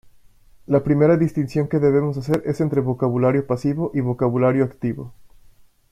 La primera distinción que debemos hacer es entre vocabulario pasivo y vocabulario activo.